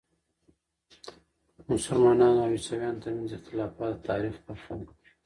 د مسلمانو او عیسویانو ترمنځ اختلافات د تاریخ برخه ده.